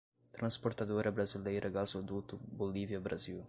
Transportadora Brasileira Gasoduto Bolívia‐Brasil